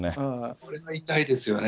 これは痛いですよね。